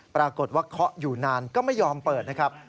ปรากฏว่าเคาะอยู่นานก็ไม่ยอมเปิดนะครับ